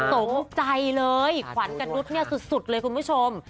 ตกใจเลยขวัญกับนุษย์เนี่ยสุดเลยคุณผู้ชม